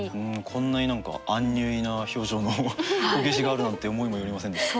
こんなに何かアンニュイな表情のこけしがあるなんて思いも寄りませんでした。